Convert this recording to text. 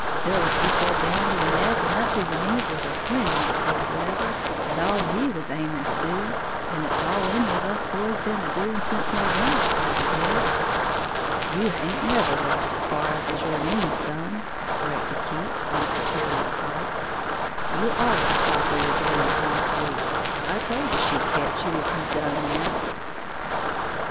Philip he said down to your neck and up to your knees was a plenty in cold weather, and all he was aiming to do; and it's all any of us boys been a doing sence November started in." "You haint never washed as far up as your knees, son," corrected Keats, from superior heights; "you allus stop where your nightgown comes to. I told you she'd ketch you if you done that!"